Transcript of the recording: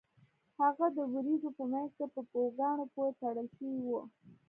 هغه د ورېځو په مینځ کې په پوکاڼو پورې تړل شوی و